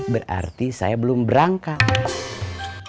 berarti saya belum berangkat